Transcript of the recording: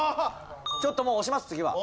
ちょっともう押します次は。